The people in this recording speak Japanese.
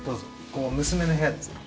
ここ娘の部屋ですね。